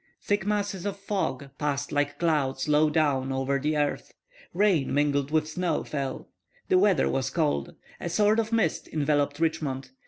Thick masses of fog passed like clouds low down over the earth. Rain mingled with snow fell. The weather was cold. A sort of mist enveloped Richmond.